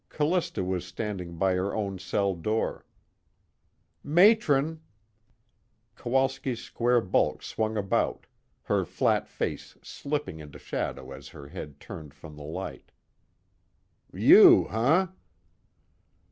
Callista was standing by her own cell door. "Matron " Kowalski's square bulk swung about, her flat face slipping into shadow as her head turned from the light. "You, huh?"